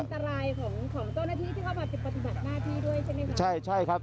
ได้อยากซักสั้นต่อดนัฐีที่เขามาปฏิบัติบัดหน้าที่ด้วยใช่ไหมครับ